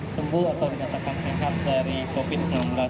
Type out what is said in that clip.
sembuh atau dinyatakan sehat dari covid sembilan belas